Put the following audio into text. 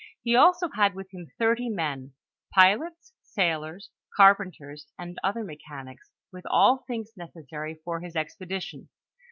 He had olso with him thirty men — pilots, sailors, carpenters, and other mechanics, with all things necessary for his expedition.